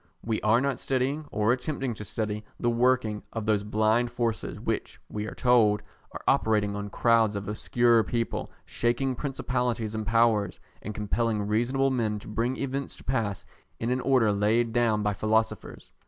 We are not studying or attempting to study the working of those blind forces which, we are told, are operating on crowds of obscure people, shaking principalities and powers, and compelling reasonable men to bring events to pass in an order laid down by philosophers.